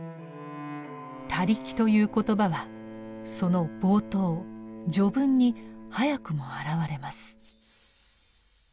「他力」という言葉はその冒頭序文に早くも現れます。